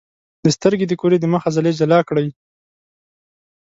د سترګې د کرې د مخ عضلې جلا کړئ.